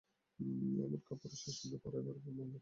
এমন কাপুরুষের কণ্ঠে পরাইবার জন্য মালা কে গাঁথিয়াছে।